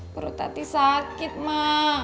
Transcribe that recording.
perut tati sakit mak